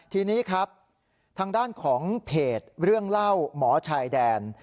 ทีนี้ครับทางด้านของเพจเรื่องเล่าหมอชายแดน